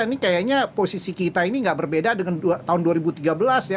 ini kayaknya posisi kita ini nggak berbeda dengan tahun dua ribu tiga belas ya